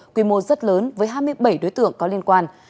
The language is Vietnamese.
quy mô rất lớn với hai mươi bảy đối tượng có liên quan